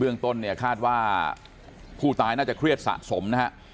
เรื่องต้นเนี่ยคาดว่าผู้ตายน่าจะเครียดสะสมนะฮะ